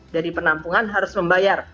dari penampungan harus membayar